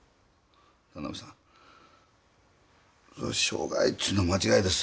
田辺さん「障害」っていうのは間違いです